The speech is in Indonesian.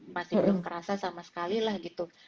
masih belum kerasa sama sekali lah gitu